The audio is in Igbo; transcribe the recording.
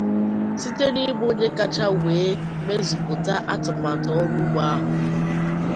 site n'ịbụ onye kacha wee mezupụta atụmatụ ọrụ ugbo ahụ